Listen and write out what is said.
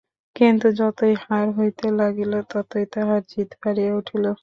কিন্তু যতই হার হইতে লাগিল, ততই তাহার জিদ বাড়িয়া উঠিল।